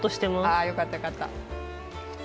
あよかったよかった。